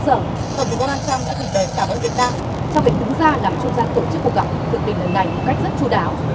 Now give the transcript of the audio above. sau việc đứng ra làm trung gian tổ chức cuộc gặp thực tình ở ngành một cách rất chú đảo